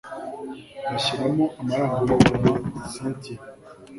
bashyiramo amarangamutima cyntia